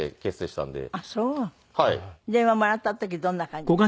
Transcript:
電話もらった時どんな感じでした？